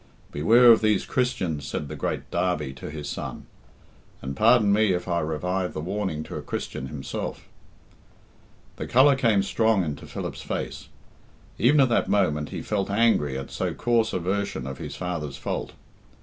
'Beware of these Christians,' said the great Derby to his son; and pardon me if I revive the warning to a Christian himself." The colour came strong into Philip's face. Even at that moment he felt angry at so coarse a version of his father's fault.